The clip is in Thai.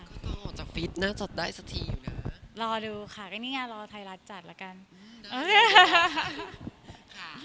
ก็ต้องออกจากฟิตน่าจดได้สักทีอยู่นะะรอดูค่ะแล้วก็นี่